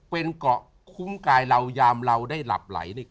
เป็นเกาะคุ้มกายเรายามเราได้หลับไหล